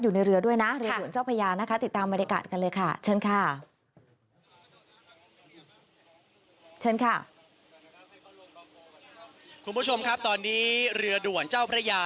อยู่ในเรือด้วยนะเรือด่วนเจ้าพระยา